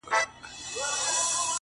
د سيند پر غاړه، سندريزه اروا وچړپېدل،